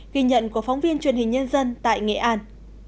ghi nhận của phóng viên truyền hình nhân dân tại nghệ an